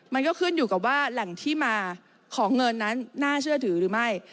มันก็ขึ้นอยู่กับว่าแหล่งที่มาของเงินนั้นน่าเชื่อถือหรือไม่